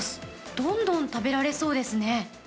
どんどん食べられそうですね。